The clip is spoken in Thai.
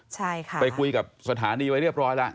ใช่ค่ะไปคุยกับสถานีไว้เรียบร้อยแล้ว